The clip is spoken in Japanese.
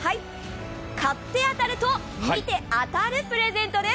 買って当たる、見て当たるプレゼントです。